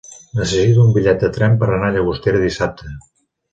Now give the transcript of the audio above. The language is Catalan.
Necessito un bitllet de tren per anar a Llagostera dissabte.